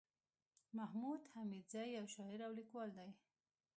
محمود حميدزى يٶ شاعر او ليکوال دئ